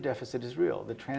adalah hal yang benar